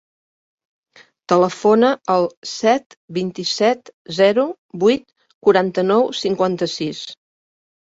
Telefona al set, vint-i-set, zero, vuit, quaranta-nou, cinquanta-sis.